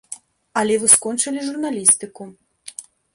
Але вы скончылі журналістыку.